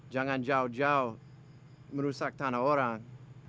jangan jauh jauh merusak tanah orang